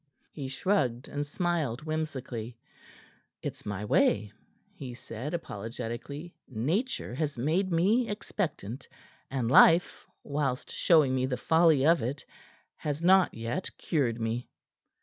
He shrugged and smiled whimsically. "It is my way," he said apologetically. "Nature has made me expectant, and life, whilst showing me the folly of it, has not yet cured me."